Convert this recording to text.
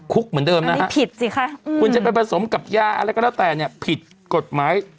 คุกเหมือนเดิมนะฮะคุณจะไปผสมกับย่าแล้วก็แล้วแต่ผิดกฎหมาย